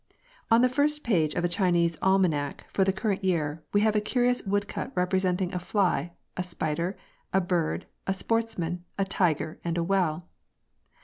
On the first page of a Chinese almanack for the current year, we have a curious woodcut representing a fly, a spider, a bird, a sportsman, a tiger, and a well.